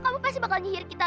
kamu pasti bakal nyihir kita